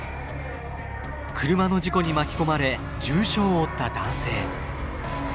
車の事故に巻き込まれ重傷を負った男性。